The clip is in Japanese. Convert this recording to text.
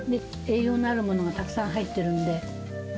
栄養のあるものがたくさん入っているんで。